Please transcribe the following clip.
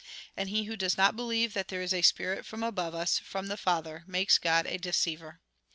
And he who does not believe that there is a spirit from above us, from the Father, makes God a deceiver.